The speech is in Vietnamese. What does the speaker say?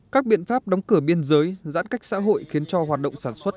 các biện pháp đóng cửa biên giới giãn cách xã hội khiến cho hoạt động sản xuất